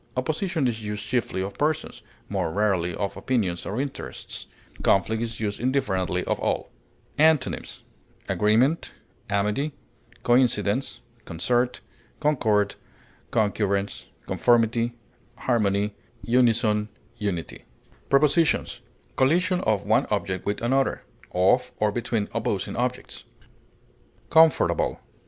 Opposition is used chiefly of persons, more rarely of opinions or interests; conflict is used indifferently of all. Antonyms: agreement, coincidence, concord, conformity, unison, amity, concert, concurrence, harmony, unity. Prepositions: Collision of one object with another; of or between opposing objects. COMFORTABLE.